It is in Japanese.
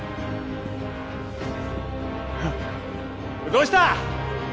どうした？